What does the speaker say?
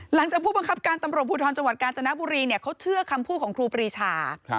ผู้บังคับการตำรวจภูทรจังหวัดกาญจนบุรีเขาเชื่อคำพูดของครูปรีชา